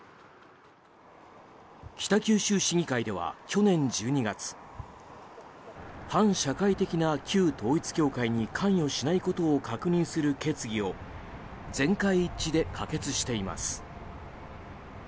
北九州市議会では去年１２月反社会的な旧統一教会に関与しないことを確認する決議を全会一致で可決しています。